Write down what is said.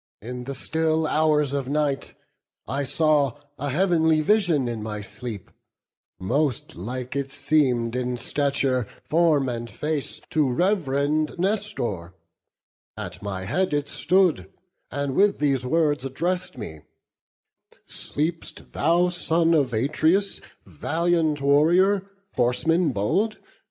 In the still hours of night I saw a heav'nly Vision in my sleep: Most like it seemed in stature, form, and face To rev'rend Nestor; at my head it stood, And with these words address'd me—'Sleep'st thou, son Of Atreus, valiant warrior, horseman bold?